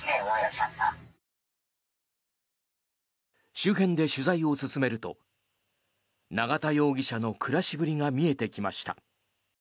周辺で取材を進めると永田容疑者の暮らしぶりが見えてきました。